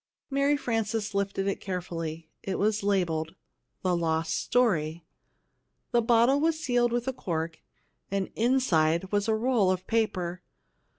Mary Frances lifted it carefully. It was labeled THE LOST STORY. The bottle was sealed with a cork, and inside was a roll of paper.